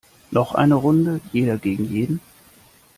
Noch eine Runde jeder gegen jeden!